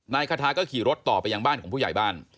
นายคาทาก็ขี่รถต่อไปยังบ้านของผู้ใหญ่บ้าน